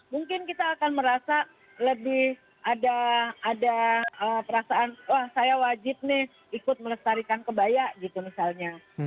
mungkin kita akan merasa lebih ada perasaan wah saya wajib nih ikut melestarikan kebaya gitu misalnya